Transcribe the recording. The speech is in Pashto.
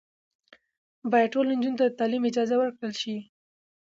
باید ټولو نجونو ته د تعلیم اجازه ورکړل شي.